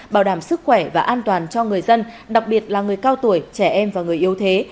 bảo đảm sức khỏe và an toàn cho người dân đặc biệt là người cao tuổi trẻ em và người yếu thế